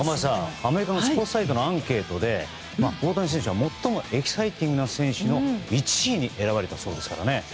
アメリカのスポーツ紙のアンケートで大谷選手は最もエキサイティングな選手の１位に選ばれたそうですからね。